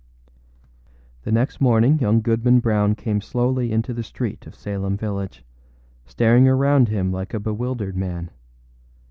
The next morning young Goodman Brown came slowly into the street of Salem village, staring around him like a bewildered man.